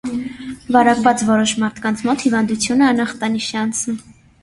Վարակված որոշ մարդկանց մոտ հիվանդությունը անախտանիշ է անցնում։